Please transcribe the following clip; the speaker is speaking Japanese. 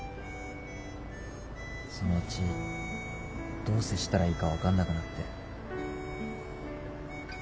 そのうちどう接したらいいか分かんなくなって。